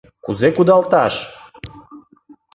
Кузе кудалташ?